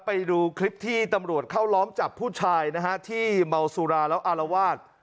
ไปดูคลิปที่ตำรวจเข้าล้อมจับผู้ชายนะฮะที่เมาสุราแล้วอารวาส